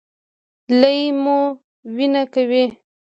لۍ مو وینه کوي؟